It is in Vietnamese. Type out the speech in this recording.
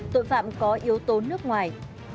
tội phạm có yếu tố nước ngoài